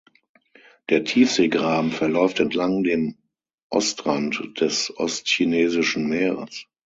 Der Tiefseegraben verläuft entlang dem Ostrand des Ostchinesischen Meeres.